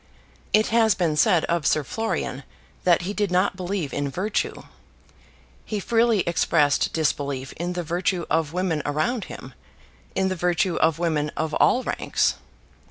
It has been said of Sir Florian that he did not believe in virtue. He freely expressed disbelief in the virtue of women around him, in the virtue of women of all ranks.